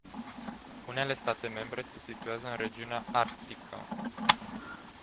Unele state membre se situează în regiunea arctică.